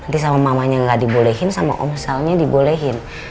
nanti sama mamanya gak dibolehin sama om salnya dibolehin